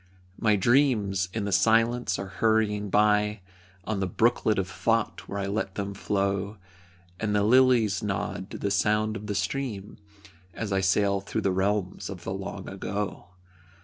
My dreams, in the silence are hurrying by On the brooklet of Thought where I let them flow, And the "lilies nod to the sound of the stream" As I sail through the realms of the long ago.